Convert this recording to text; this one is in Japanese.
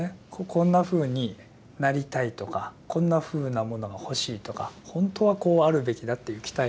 こんなふうになりたいとかこんなふうなものが欲しいとかほんとはこうあるべきだという期待感とか。